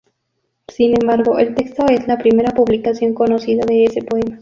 Sin embargo, el texto es la primera publicación conocida de ese poema.